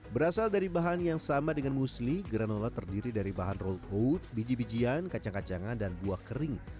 berasal dari bahan yang sama dengan musli granola terdiri dari bahan role oat biji bijian kacang kacangan dan buah kering